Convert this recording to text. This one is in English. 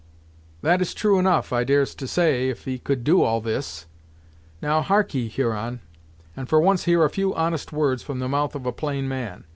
"That is true enough, I dares to say, if he could do all this. Now, harkee, Huron, and for once hear a few honest words from the mouth of a plain man.